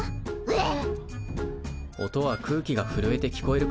えっ？